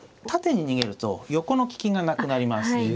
縦に逃げると横の利きがなくなります。